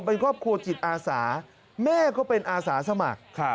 เป็นครอบครัวจิตอาสาแม่ก็เป็นอาสาสมัคร